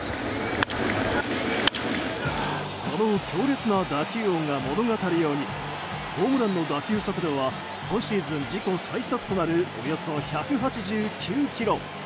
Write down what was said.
この強烈な打球音が物語るようにホームランの打球速度は今シーズン自己最速となるおよそ１８９キロ。